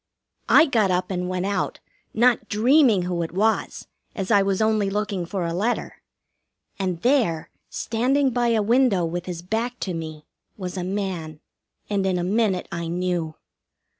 I got up and went out, not dreaming who it was, as I was only looking for a letter; and there, standing by a window with his back to me, was a man, and in a minute I knew.